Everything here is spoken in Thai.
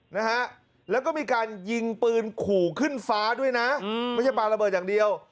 นะฮะแล้วก็มีการยิงปืนขู่ขึ้นฟ้าด้วยนะอืมไม่ใช่ปลาระเบิดอย่างเดียว